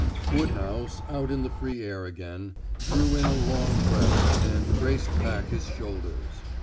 Woodhouse, out in the free air again, drew in a long breath and braced back his shoulders.